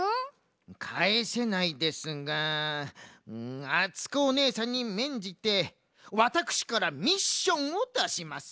かえせないですがあつこおねえさんにめんじてワタクシからミッションをだします。